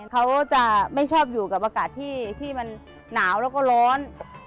เขาจะไม่ชอบอยู่กับอากาศที่มันหนาวแล้วก็ร้อน